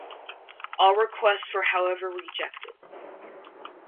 All requests were however rejected.